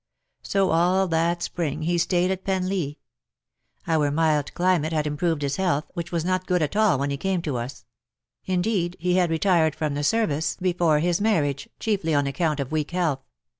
So all that spring he stayed at Penlee. Our mild climate had improved his health, which was not at all good when he came to us — indeed he had retired from the service before his 6 THE DAYS THAT ARE NO MORE. marriage, chiefly on account of weak health.